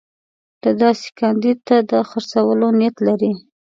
ده داسې کاندید ته د خرڅولو نیت لري.